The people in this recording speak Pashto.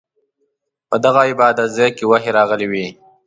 په دغه عبادت ځاې کې وحې راغلې وه.